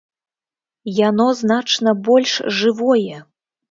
Яно значна больш жывое!